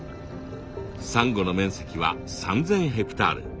サンゴの面積は３，０００ヘクタール。